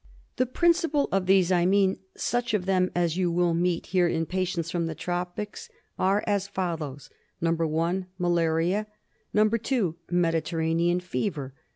The principal of these, I mean such of them as you will meet here in patients from the tropics, are as follows :— (i). Malaria. (2). Mediterranean Fever.